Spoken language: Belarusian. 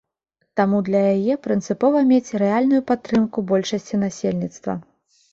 Таму для яе прынцыпова мець рэальную падтрымку большасці насельніцтва.